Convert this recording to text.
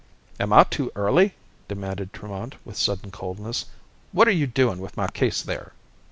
"Am I too early?" demanded Tremont with sudden coldness. "What are you doing with my case there?"